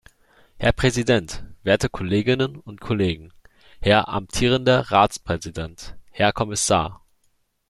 Herr Präsident, werte Kolleginnen und Kollegen, Herr amtierender Ratspräsident, Herr Kommissar!